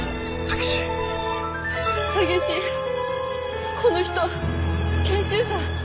タケシこの人賢秀さん。